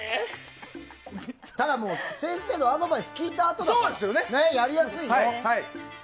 ただ、先生のアドバイス聞いたあとだからやりやすいよ。